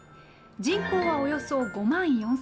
人口は、およそ５万４０００です。